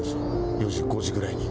４時、５時ぐらいに。